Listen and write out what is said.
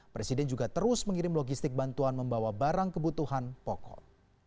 presiden juga terus mengirim logistik bantuan membawa barang kebutuhan pokok